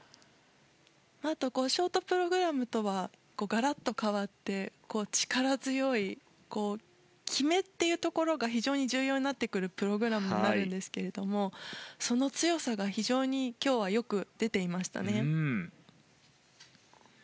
ショートプログラムとはガラッと変わって力強い決めというところが非常に重要になるプログラムになるんですけれどもその強さが非常に今日はよく出ていました。